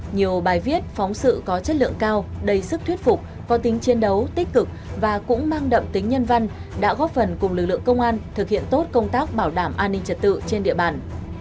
nhiều bài viết phóng sự có chất lượng cao đầy sức thuyết phục có tính chiến đấu tích cực và cũng mang đậm tính nhân văn đã góp phần cùng lực lượng công an thực hiện tốt công tác bảo đảm an ninh trật tự trên địa bàn